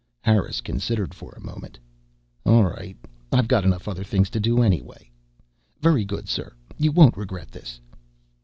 Harris considered for a moment. "All right. I've got enough other things to do anyway." "Very good, sir. You won't regret this."